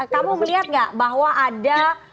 kamu melihat nggak bahwa ada